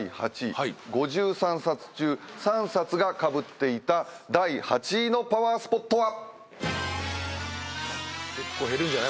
５３冊中３冊がかぶっていた第８位のパワースポットは。